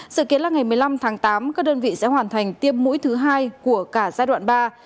sự kiến là ngày một mươi năm tháng tám các đơn vị sẽ hoàn thành tiêm mũi thứ hai của cả giai đoạn ba